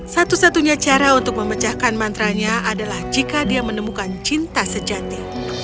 satu satunya cara untuk memecahkan mantranya adalah jika dia menemukan cinta sejati